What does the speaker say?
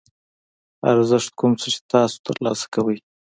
ارزښت کوم څه چې تاسو ترلاسه کوئ.